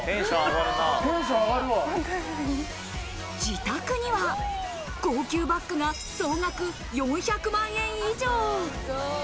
自宅には高級バッグが総額４００万円以上。